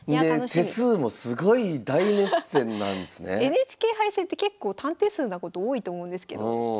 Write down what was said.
ＮＨＫ杯戦って結構短手数なこと多いと思うんですけどやばい戦い。